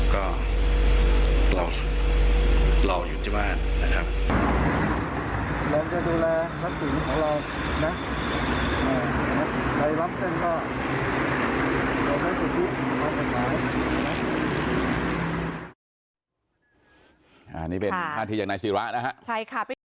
ก็รออยู่ในบ้านนะครับ